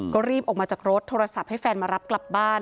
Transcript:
ก็รีบออกมาจากรถโทรศัพท์ให้แฟนมารับกลับบ้าน